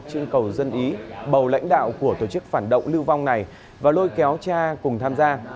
trưng cầu dân ý bầu lãnh đạo của tổ chức phản động lưu vong này và lôi kéo cha cùng tham gia